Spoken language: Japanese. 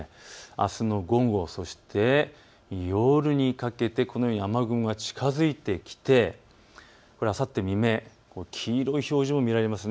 あすの午後、そして夜にかけて雨雲が近づいてきてあさって未明、黄色い表示も見られます。